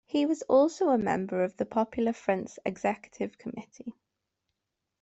He was also a member of the Popular Front's executive committee.